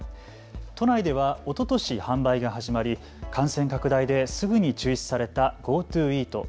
都内ではおととし販売が始まり感染拡大ですぐに中止されたＧｏＴｏイート。